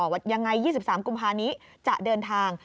ยังไง๒๓กุมภานี้จะเดินทาง